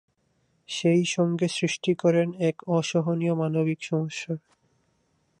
সেই সঙ্গে সৃষ্টি করেন এক অসহনীয় মানবিক সমস্যার।